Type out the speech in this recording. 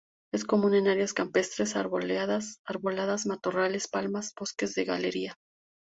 Es común en áreas campestres arboladas, matorrales, palmas, bosques de galería.